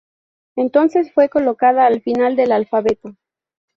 Entonces fue colocada al final del alfabeto.